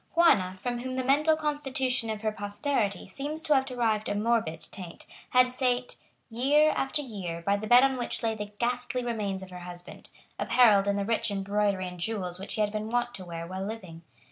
Juana, from whom the mental constitution of her posterity seems to have derived a morbid taint, had sate, year after year, by the bed on which lay the ghastly remains of her husband, apparelled in the rich embroidery and jewels which he had been wont to wear while living.